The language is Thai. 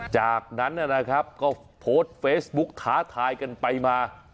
จากนั้นนะครับก็โพสต์เฟซบุ๊กท้าทายกันไปมา